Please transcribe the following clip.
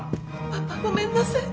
パパごめんなさい。